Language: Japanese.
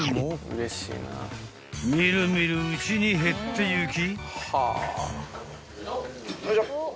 ［見る見るうちに減っていき］